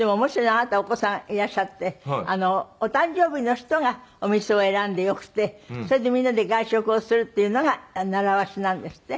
あなたお子さんいらっしゃってお誕生日の人がお店を選んでよくてそれでみんなで外食をするっていうのが習わしなんですって？